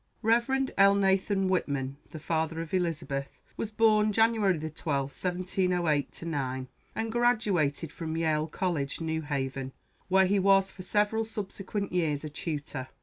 Rev. Elnathan Whitman, the father of Elizabeth, was born January 12, 1708 9, and graduated from Yale College, New Haven, where he was for several subsequent years a tutor.